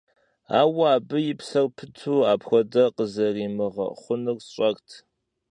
Ауэ абы и псэр пыту апхуэдэ къызэримыгъэхъунур сщӏэрт.